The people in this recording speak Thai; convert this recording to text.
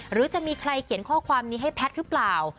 หรือจะมีใครเขียนข้อความนี้ให้แพทย์หรือเปล่า